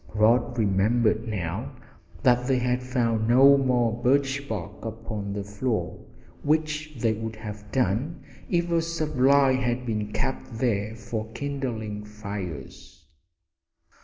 Rod remembered now that they had found no more birch bark upon the floor, which they would have done if a supply had been kept there for kindling fires.